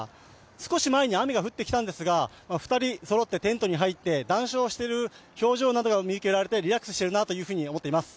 少し前に雨が降ってきたんですが２人そろってベンチに入って談笑していてリラックスしているなというふうに思っています。